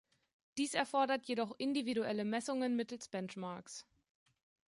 Dies erfordert jedoch individuelle Messungen mittels Benchmarks.